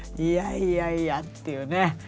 いやいやいやっていうね。